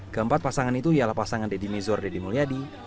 keempat pasangan itu ialah pasangan deddy mizor deddy mulyadi